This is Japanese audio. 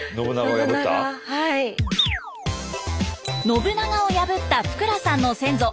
信長を破った福羅さんの先祖。